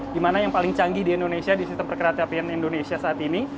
dimana yang paling canggih di indonesia di perkeratan hapean indonesia saat ini